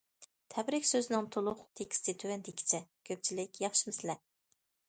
تەبرىك سۆزىنىڭ تولۇق تېكىستى تۆۋەندىكىچە: كۆپچىلىك ياخشىمۇسىلەر!